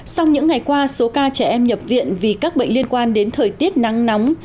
sau những ngày qua số ca trẻ em nhập viện vì các bệnh liên quan đến thời tiết nắng nóng